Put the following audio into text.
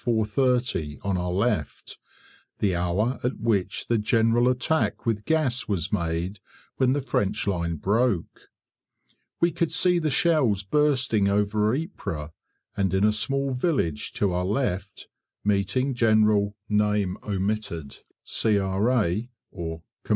30 on our left, the hour at which the general attack with gas was made when the French line broke. We could see the shells bursting over Ypres, and in a small village to our left, meeting General , C.R.